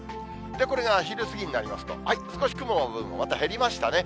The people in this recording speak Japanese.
これが昼過ぎになりますと、少し雲の部分が減りましたね。